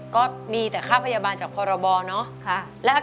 ก็มีแต่ค่าพยาบาลจากพรบเนอะ